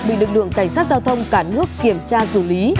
bị lực lượng cảnh sát giao thông cả nước kiểm tra xử lý